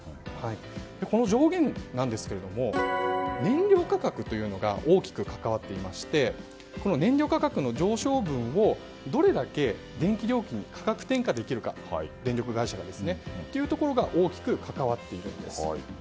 この上限なんですが燃料価格というのが大きく関わっていまして燃料価格の上昇分をどれだけ電気料金に電力会社が価格転嫁できるかが大きく関わっているんです。